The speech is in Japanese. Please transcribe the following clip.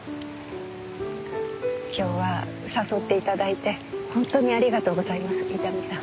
今日は誘って頂いて本当にありがとうございます伊丹さん。